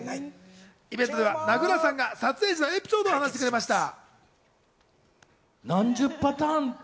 イベントでは名倉さんが撮影時のエピソードを話してくれました。